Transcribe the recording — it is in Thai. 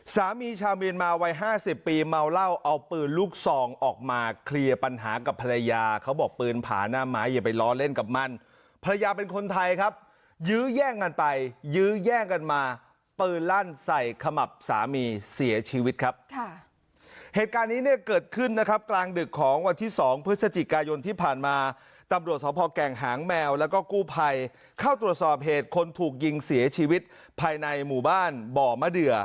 สามีชาวเมียมาวัยห้าสิบปีเมาเล่าเอาปืนลูกซองออกมาเคลียร์ปัญหากับภรรยาเขาบอกปืนผ่าหน้าไม้อย่าไปล้อเล่นกับมันภรรยาเป็นคนไทยครับยื้อแย่งกันไปยื้อแย่งกันมาปืนลั่นใส่ขมับสามีเสียชีวิตครับค่ะเหตุการณ์นี้เน